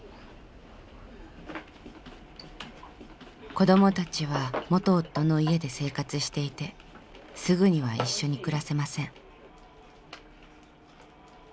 子どもたちは元夫の家で生活していてすぐには一緒に暮らせません。